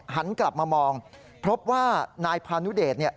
หันกลับมามองเพราะว่านายพาณุเดชน์